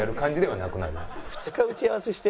２日打ち合わせして？